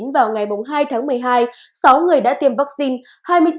vào ngày hai tháng một mươi hai sáu người đã tiêm vaccine